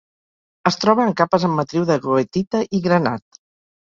Es troba en capes en matriu de goethita i granat.